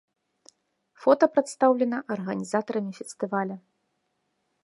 Фота прадастаўлена арганізатарамі фестываля.